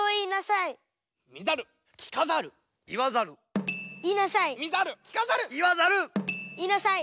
いいなさい！